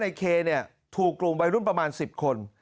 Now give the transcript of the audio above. ไอเคเนี่ยถูกกลุ่มไปรุ่นประมาณสิบคน